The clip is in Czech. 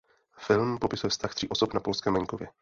Film popisuje vztah tří osob na polském venkově.